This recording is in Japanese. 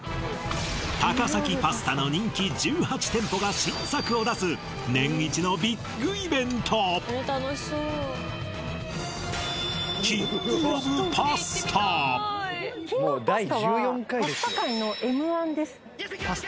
高崎パスタの人気１８店舗が新作を出す年イチのビッグイベントパスタ界のＭ−１？